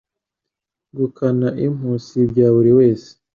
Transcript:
Gukana impu si ibya buri wese